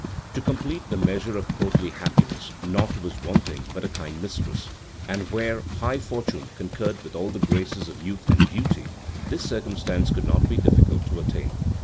To complete the measure of courtly happiness, nought was wanting but a kind mistress; and, where high fortune concurred with all the graces of youth and beauty, this circumstance could not be difficult to attain.